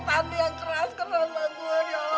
tandian keras karena mak gue ya allah